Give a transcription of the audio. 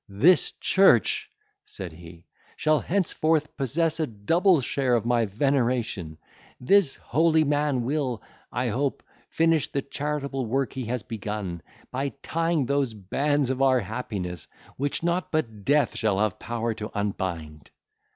—"This church," said he, "shall henceforth possess a double share of my veneration; this holy man will, I hope, finish the charitable work he has begun, by tying those bands of our happiness, which nought but death shall have power to unbind."